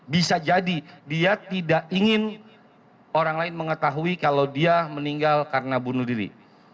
bisa jadi dia tidak ingin orang lain mengetahui kalau dia meninggal karena bunuh diri